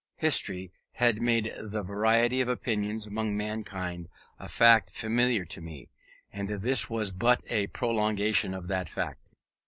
History had made the variety of opinions among mankind a fact familiar to me, and this was but a prolongation of that fact.